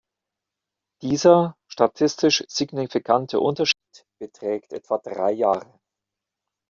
Dieser statistisch signifikante Unterschied beträgt etwa drei Jahre.